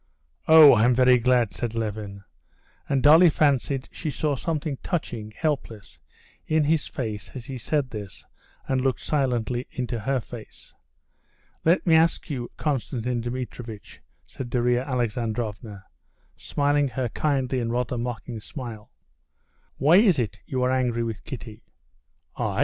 "Oh, I'm very glad!" said Levin, and Dolly fancied she saw something touching, helpless, in his face as he said this and looked silently into her face. "Let me ask you, Konstantin Dmitrievitch," said Darya Alexandrovna, smiling her kindly and rather mocking smile, "why is it you are angry with Kitty?" "I?